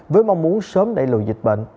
với mong muốn sớm đẩy lùi dịch bệnh